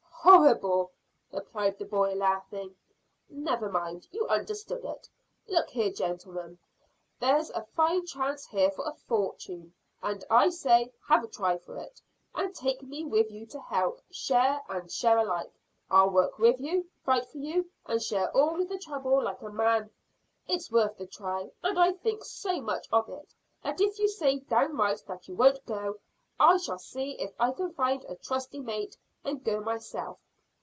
"Horrible," replied the boy, laughing. "Never mind; you understood it. Look here, gentlemen, there's a fine chance here for a fortune, and I say, have a try for it, and take me with you to help, share and share alike. I'll work with you, fight for you, and share all the trouble like a man. It's worth the try, and I think so much of it that if you say downright that you won't go I shall see if I can find a trusty mate, and go myself.